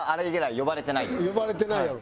呼ばれてないやろ。